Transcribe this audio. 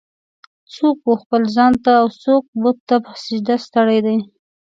"څوک و خپل ځان ته اوڅوک بت ته په سجده ستړی دی.